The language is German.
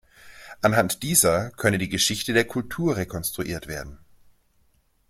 Anhand dieser könne die Geschichte der Kultur rekonstruiert werden.